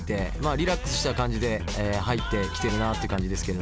リラックスした感じで入ってきてるなっていう感じですけれども。